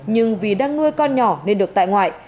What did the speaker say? nhưng vì đang nuôi con nhỏ nên được tại ngoại